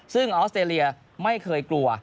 ซึ่งออสเตรเลียไม่เคยกลัว